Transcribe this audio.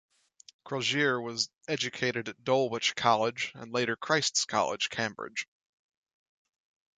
Crozier was educated at Dulwich College, and later Christ's College, Cambridge.